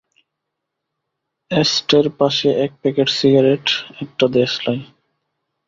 অ্যাশটের পাশে এক packet cigarette, একটা দেয়াশলাই।